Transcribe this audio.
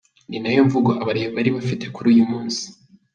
Ni nayo mvugo aba-Rayon bari bafite kuri uyu munsi.